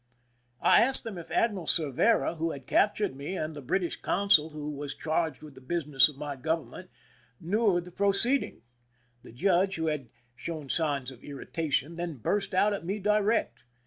I asked them if Admiral Cervera, who had captured me, and the British consul, who was charged with the business of my government, knew of the proceed ing. The judge, who had shown signs of irritation, then burst out at me direct.